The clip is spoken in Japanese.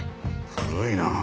古いな。